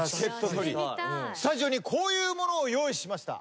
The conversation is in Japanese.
スタジオにこういうものを用意しました。